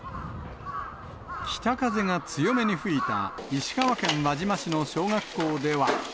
北風が強めに吹いた石川県輪島市の小学校では。